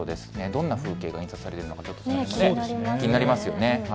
どんな風景が印刷されているのか気になりますよね。